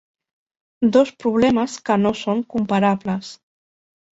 Dos problemes que no són comparables.